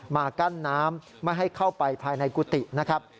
มากั้นน้ำไม่ให้เข้าไปภายในกุฏินะครับ